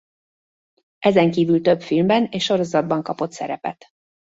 Ezen kívül több filmben és sorozatban kapott szerepet.